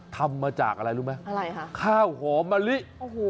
ทำมาจากอะไรรู้ไหมอะไรคะข้าวหอมมะลิโอ้โห